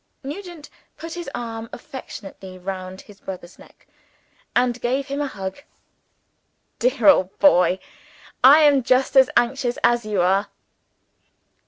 Nugent put his arm affectionately round his brother's neck, and gave him a hug. "Dear old boy! I am just as anxious as you are."